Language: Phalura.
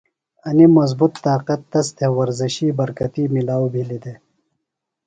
انیۡ مضبوط طاقت تس تھےۡ ورزشی برکتی ملاؤ بِھلیۡ دےۡ۔